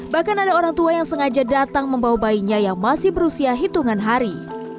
bahkan ada orang tua yang sengaja datang membawa bayinya yang masih berusia hitungan hari